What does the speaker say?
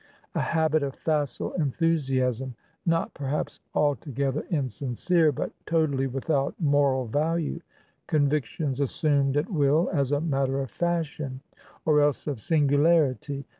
"A habit of facile enthusiasm, not perhaps altogether insincere, but totally without moral value ... convictions assumed at will, as a matter of fashion, or else of singularity